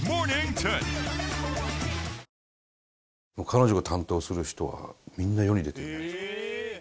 彼女が担当する人はみんな世に出てるんじゃないですか。